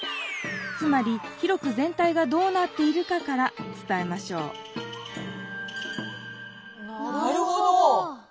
つまり広くぜん体がどうなっているかから伝えましょうなるほど。